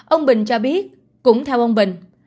ông bình cho biết cũng theo ông bình